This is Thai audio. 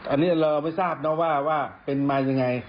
อันนี้เราไม่ทราบนะว่าเป็นมายังไง